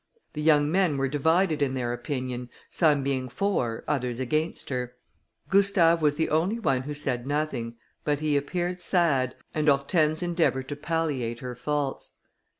The young men were divided in their opinion, some being for, others against her. Gustave was the only one who said nothing, but he appeared sad, and Hortense endeavoured to palliate her faults.